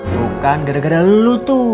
tuh kan gara gara lu tuh